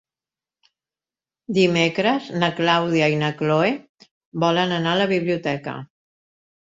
Dimecres na Clàudia i na Cloè volen anar a la biblioteca.